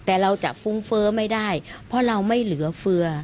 แต่เราจะฟุ้งเฟ้อไม่ได้เพราะเราไม่เหลือเฟือ